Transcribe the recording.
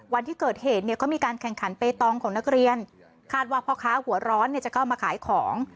วันที่เกิดเหตุเนี่ยก็มีการแข่งขันเปตองของนักเรียนคาดว่าพ่อค้าหัวร้อนเนี่ยจะเข้ามาขายของ